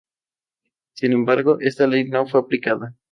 Wallace se reconoce como un cristiano comprometido.